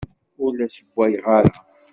Ur la ssewwayeɣ ara.